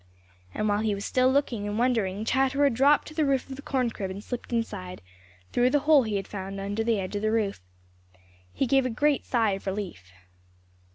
And while he was still looking and wondering, Chatterer dropped to the roof of the corn crib and slipped inside, through the hole he had found under the edge of the roof. He gave a great sigh of relief.